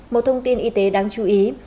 một thông tin y tế đáng chú ý